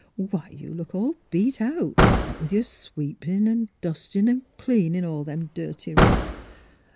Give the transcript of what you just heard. Why, you look all beat out, what with your sweep in,' and dustin' an' cleanin' all them dirty rugs.